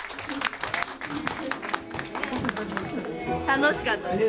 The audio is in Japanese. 楽しかったです。